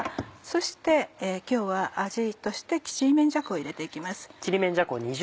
そして今日は味としてちりめんじゃこを入れて行きます。